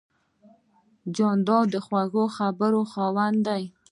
جانداد د خوږې خبرې خاوند دی.